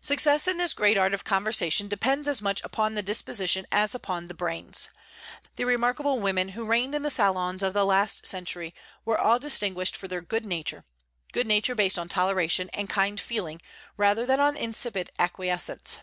Success in this great art of conversation depends as much upon the disposition as upon the brains. The remarkable women who reigned in the salons of the last century were all distinguished for their good nature, good nature based on toleration and kind feeling, rather than on insipid acquiescence.